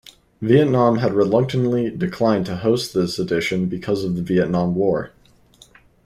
Vietnam had reluctantly declined to host this edition because of the Vietnam War.